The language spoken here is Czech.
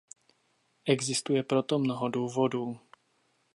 Existuje pro to mnoho důvodů.